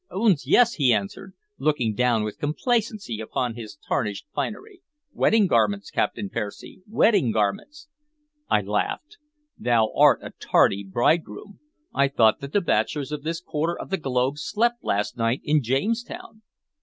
"Oons! yes!" he answered, looking down with complacency upon his tarnished finery. "Wedding garments, Captain Percy, wedding garments!" I laughed. "Thou art a tardy bridegroom. I thought that the bachelors of this quarter of the globe slept last night in Jamestown."